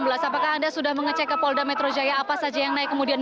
apakah anda sudah mengecek ke polda metro jaya apa saja yang naik kemudian